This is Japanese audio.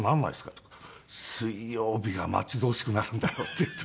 って言ったら「水曜日が待ち遠しくなるんだよ」って言って。